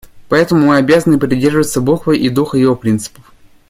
Поэтому мы обязаны придерживаться буквы и духа его принципов.